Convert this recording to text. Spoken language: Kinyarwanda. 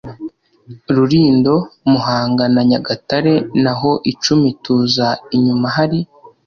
Rulindo muhanga na nyagatare naho icumi tuza inyuma hari